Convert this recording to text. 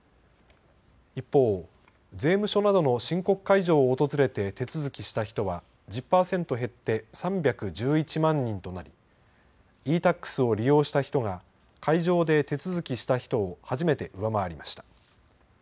一方、税務署などの申告会場を訪れて手続きした人は１０％減って３１１万人となりｅーＴａｘを利用した人が会場で手続きした人を初めて上回りました。